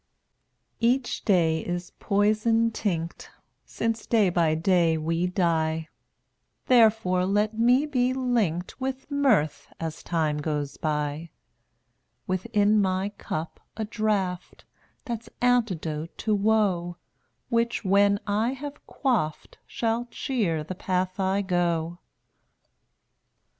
&un$ dr\\WftY Each day is poison tinct, „ Since day by day we die; \JvC2 Therefore, let me be linked With Mirth as time goes by; Within my cup a draught That's antidote to woe, Which, when I have quaffed, Shall cheer the path I go.